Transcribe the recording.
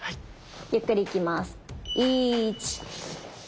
ゆっくりいきます。